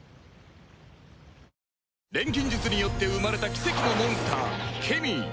錬金術によって生まれた奇跡のモンスターケミー